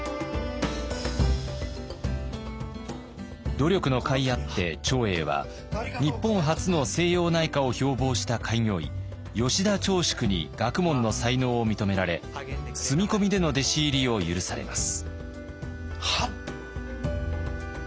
努力のかいあって長英は日本初の西洋内科を標ぼうした開業医吉田長淑に学問の才能を認められ住み込みでの弟子入りを許されます。